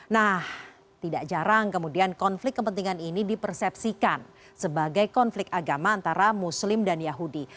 nah tidak jarang kemudian konflik kepentingan ini dipersepsikan sebagai konflik agama antara muslim dan yahudi